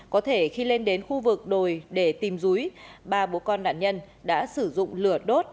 có thể khi lên đến khu vực đồi để tìm rúi ba bố con nạn nhân đã sử dụng lửa đốt